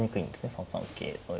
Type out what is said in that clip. ３三桂の。